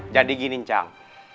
jadi gini cang